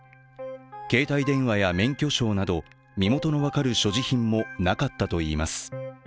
携帯電話や免許証など身元の分かる所持品もなかったといいます。